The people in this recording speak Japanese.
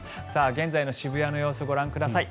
現在の渋谷の様子ご覧ください。